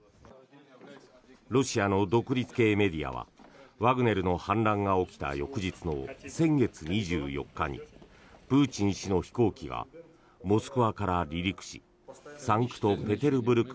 ロシアの独立系メディアはワグネルの反乱が起きた翌日の先月２４日にプーチン氏の飛行機がモスクワから離陸しサンクトペテルブルク